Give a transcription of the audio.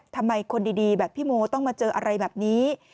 ทำไมคนดีแบบพี่โมต้องมาเจออะไรแบบนี้